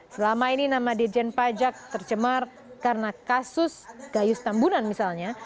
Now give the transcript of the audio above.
selama ini nama dirjen pajak tercemar karena kasus gayus tambunan misalnya